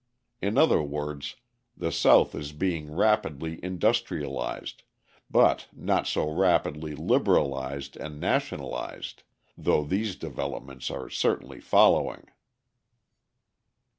In other words, the South is being rapidly industrialised, but not so rapidly liberalised and nationalised, though these developments are certainly following.